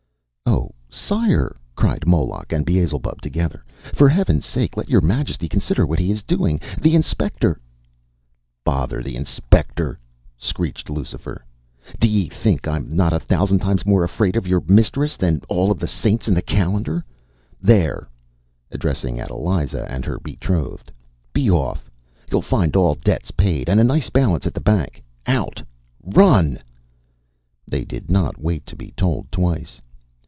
“Oh, Sire,” cried Moloch and Beelzebub together, “for Heaven’s sake let your Majesty consider what he is doing. The Inspector ” “Bother the Inspector!” screeched Lucifer. “D’ye think I’m not a thousand times more afraid of your mistress than of all the saints in the calendar? There,” addressing Adeliza and her betrothed, “be off! You’ll find all debts paid, and a nice balance at the bank. Out! Run!” They did not wait to be told twice.